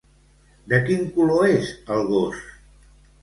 De quin color és el gos?